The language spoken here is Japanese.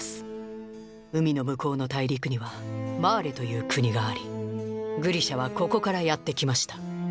海の向こうの大陸には「マーレ」という国がありグリシャはここからやって来ました。